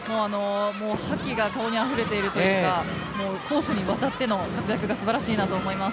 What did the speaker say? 覇気が顔にあふれているというか攻守にわたっての活躍が素晴らしいと思います。